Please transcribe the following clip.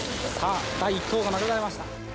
第１投が投げられました。